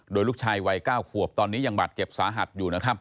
โดยลูกชายวัย๙ขวบตอนนี้ยังบาดเจ็บสาหัสอยู่นะครับ